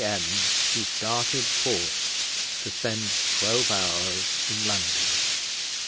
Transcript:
M. he started forth to spend twelve hours in London.